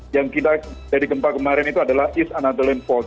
yang kita dari gempa kemarin itu adalah east anatoline volt